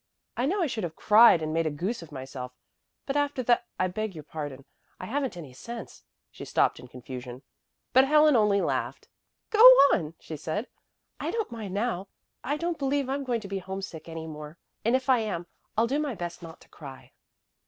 I know I should have cried and made a goose of myself, but after tha I beg your pardon I haven't any sense." She stopped in confusion. But Helen only laughed. "Go on," she said. "I don't mind now. I don't believe I'm going to be homesick any more, and if I am I'll do my best not to cry."